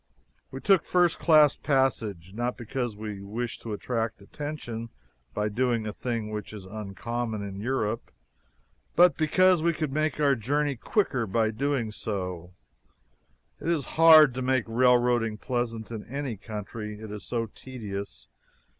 We took first class passage, not because we wished to attract attention by doing a thing which is uncommon in Europe but because we could make our journey quicker by so doing. It is hard to make railroading pleasant in any country. It is too tedious.